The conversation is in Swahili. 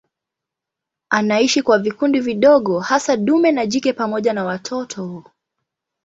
Anaishi kwa vikundi vidogo hasa dume na jike pamoja na watoto.